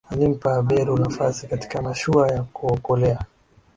alimpa beru nafasi katika mashua ya kuokolea